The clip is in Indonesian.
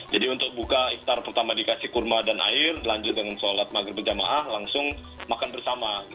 jadi untuk buka istar pertama dikasih kurma dan air lanjut dengan sholat maghrib berjamaah langsung makan bersama